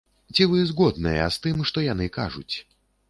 Ці вы згодныя з тым, што яны кажуць?